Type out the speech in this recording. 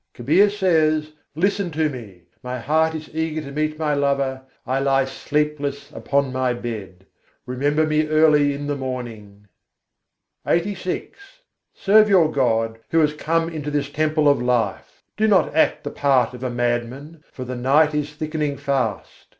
Kabîr says: "Listen to me! My heart is eager to meet my lover: I lie sleepless upon my bed. Remember me early in the morning!" LXXXVI III. 96. jîv mahal men S'iv pahunwâ Serve your God, who has come into this temple of life! Do not act the part of a madman, for the night is thickening fast.